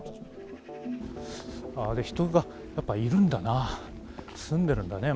人がやっぱりいるんだな。